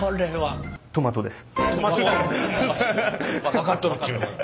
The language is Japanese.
分かっとるっちゅうねん。